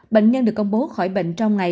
bệnh nhân được công bố khỏi bệnh trong ngày